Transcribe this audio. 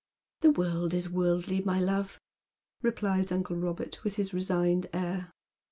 " The world is worldly, my love," replies uncle Eobert, with his resigned air.